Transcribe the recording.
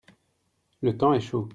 le temps est chaud.